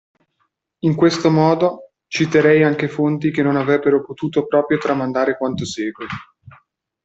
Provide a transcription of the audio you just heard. In questo modo, citerei anche fonti che non avrebbero potuto proprio tramandare quanto segue.